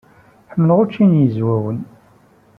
Ḥemmleɣ učči n Yizwawen.